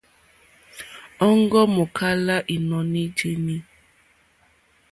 Òŋɡó mòkálá ínɔ̀ní jéní.